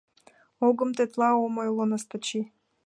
Огым, тетла ом ойло, Настачи...